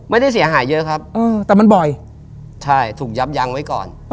ไม่ได้เสียหายเยอะครับแต่มันบ่อยใช่ถูกยับยั้งไว้ก่อน